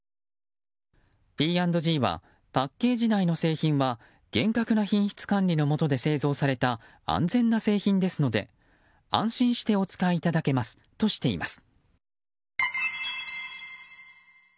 Ｐ＆Ｇはパッケージ内の製品は厳格な品質管理のもとで製造された安全な製品ですので安心してお使いいただけますとしています。